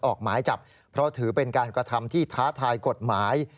ออกหมายจับเพราะถือเป็นการกระทำที่ท้าทายกฎหมาย